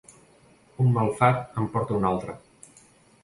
Un mal fat en porta un altre.